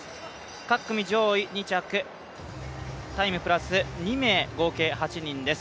各組上位２着タイムプラス２名合計８人です。